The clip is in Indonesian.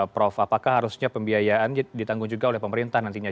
prof apakah harusnya pembiayaan ditanggung juga oleh pemerintah nantinya